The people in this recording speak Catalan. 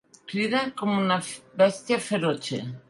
Crida com una bèstia ferotge.